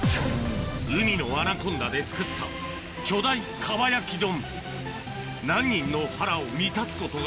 海のアナコンダで作った巨大蒲焼き丼